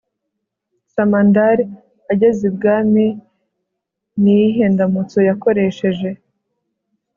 samandari ageze i bwami ni iyihe ndamutso yakoresheje